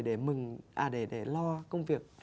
để lo công việc